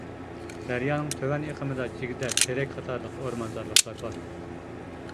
دەريانىڭ تۆۋەن ئېقىمىدا جىگدە، تېرەك قاتارلىق ئورمانزارلىقلار بار.